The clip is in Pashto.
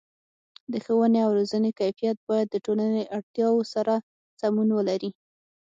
د ښوونې او روزنې کیفیت باید د ټولنې اړتیاو سره سمون ولري.